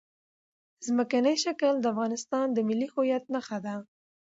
ځمکنی شکل د افغانستان د ملي هویت نښه ده.